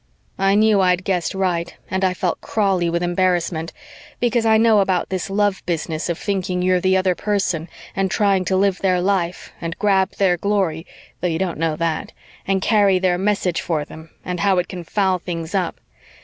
I knew I'd guessed right and I felt crawly with embarrassment, because I know about this love business of thinking you're the other person and trying to live their life and grab their glory, though you don't know that and carry their message for them, and how it can foul things up.